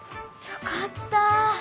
よかった。